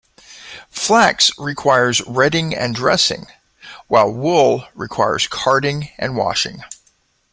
Flax requires retting and dressing, while wool requires carding and washing.